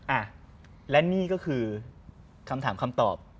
อ่ะและนี่ก็คือคำถามคำตอบ